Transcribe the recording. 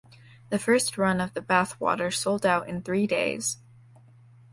The first run of the bath water sold out in three days.